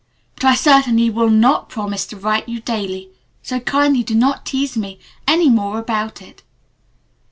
But I certainly will not promise to write you daily, so kindly do not tease me any more about it.